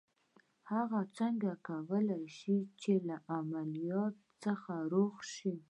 هغه څنګه کولای شي چې له عمليات څخه روغ شي.